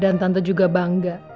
dan tante juga bangga